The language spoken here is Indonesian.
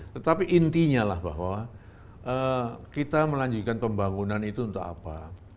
tetapi intinya lah bahwa kita melanjutkan pembangunan itu untuk apa